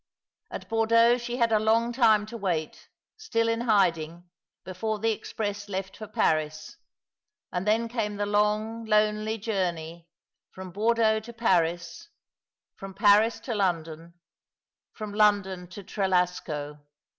At Bordeaux she had a long time to wait, still in hiding, before the express left for Paris — and then came the long, lonely journey — from Bordeaux to Paris — from Paris to London — from London to Trelasco.